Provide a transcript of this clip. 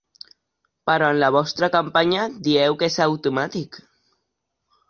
Però en la vostra campanya dieu és que és automàtic.